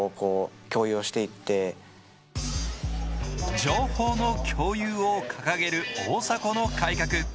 情報の共有を掲げる大迫の改革。